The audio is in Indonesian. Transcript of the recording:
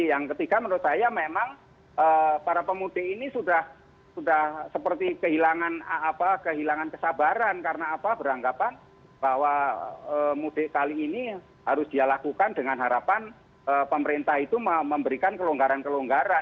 yang ketiga menurut saya memang para pemudik ini sudah seperti kehilangan kesabaran karena apa beranggapan bahwa mudik kali ini harus dia lakukan dengan harapan pemerintah itu memberikan kelonggaran kelonggaran